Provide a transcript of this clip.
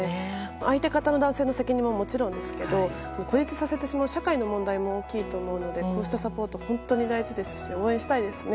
相手方の男性の責任はもちろんですけど孤立させてしまう社会の問題も大きいと思うのでこうしたサポートは本当に大事だし応援したいですね。